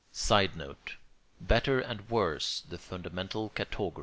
[Sidenote: Better and worse the fundamental categories.